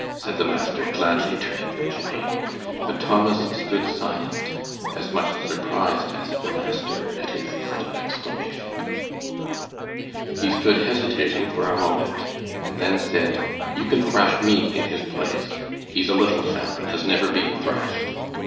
said the master, gladly turning from Jimmie. But Thomas stood silent, as much surprised as the master at his sudden exclamation. He stood hesitating for a moment, and then said, "You can thrash me in his place. He's a little chap, and has never been thrashed."